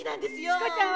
チコちゃん